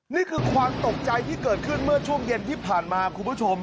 นี่คือความตกใจที่เกิดขึ้นเมื่อช่วงเย็นที่ผ่านมาคุณผู้ชม